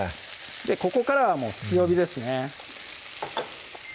ここからはもう強火ですね